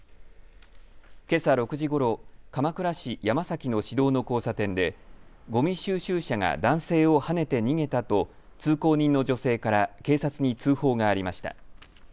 けさ６時ごろ、鎌倉市山崎の市道の交差点でごみ収集車が男性をはねて逃げたと通行人の女性から警察に通報がありました。